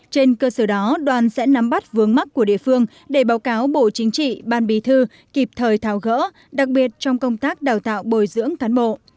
trên cơ sở đó đoàn sẽ nắm bắt vướng mắt của địa phương để báo cáo bộ chính trị ban bí thư kịp thời tháo gỡ đặc biệt trong công tác đào tạo bồi dưỡng cán bộ